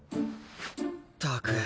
ったく。